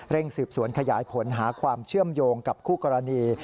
สืบสวนขยายผลหาความเชื่อมโยงกับคู่กรณี